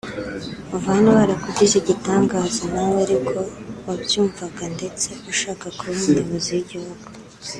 uva hano barakugize igitangaza nawe ari ko wabyumvaga ndetse ushaka kuba umuyobozi w’igihugu